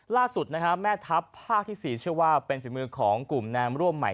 ล่าสุดแม่ทัพภาคที่๔เชื่อว่าเป็นฝีมือของกลุ่มแนมร่วมใหม่